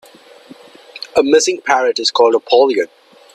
A missing parrot is called a polygon.